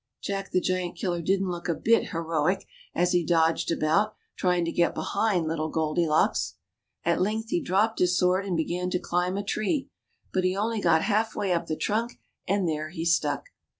Jack the Giant killer didn't CINDERELLA UP TO DATE. 23 look a bit heroic as he dodged about, trying to get behind Little Goldilocks. At length he dropped his sword and began to climb a tree ; but he only got half way up the trunk, and there he stuck.